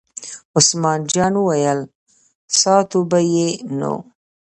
عثمان جان وویل: ساتو به یې نو.